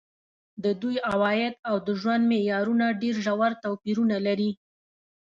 د دوی عواید او د ژوند معیارونه ډېر ژور توپیرونه لري.